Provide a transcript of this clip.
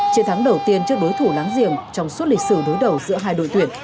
chiến thắng đầu tiên trước đối thủ láng giềng trong suốt lịch sử đối đầu giữa hai đội tuyển